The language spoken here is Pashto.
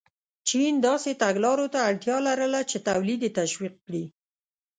چین داسې تګلارو ته اړتیا لرله چې تولید یې تشویق کړي.